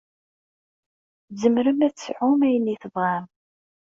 Tzemrem ad tesɛum ayen i tebɣam.